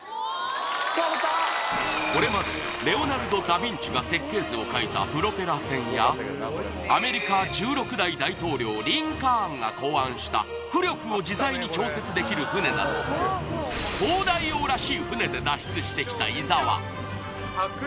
疲れたこれまでレオナルド・ダ・ヴィンチが設計図を書いたプロペラ船やアメリカ１６代大統領リンカーンが考案したなど東大王らしい船で脱出してきた伊沢